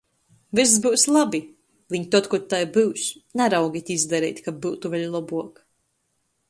Vyss byus labi! Viņ tod, kod tai byus, naraugit izdareit, kab byutu vēļ lobuok...